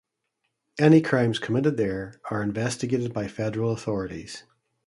Any crimes committed there are investigated by federal authorities.